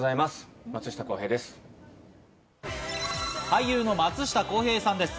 俳優の松下洸平さんです。